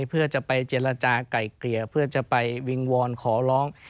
เพื่อจะไปเจรจาก่ายเกลี่ยเพื่อจะไปวิงวอนขอร้อง